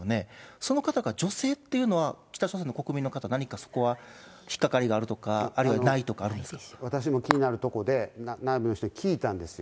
その方が女性っていうのは、北朝鮮の国民の方、何かそこは引っ掛かりがあるとか、私も気になるところで、内部の人に聞いたんですよ。